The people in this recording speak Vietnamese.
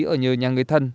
ở nhờ nhà người thân